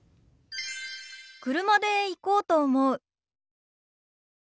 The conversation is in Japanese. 車で行こうと思う。